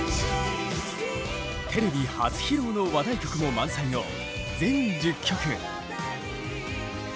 テレビ初披露の話題曲も満載の全１０曲。